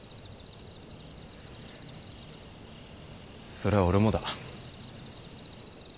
それは俺もだ。